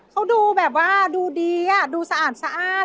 เขาดูแบบว่าดูดีดูสะอาด